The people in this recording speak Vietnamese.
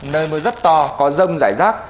nơi mưa rất to có rông dài rác